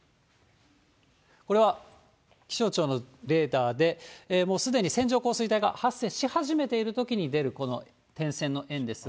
これは気象庁のレーダーで、もうすでに線状降水帯が発生し始めているときに出る、この点線の円ですが。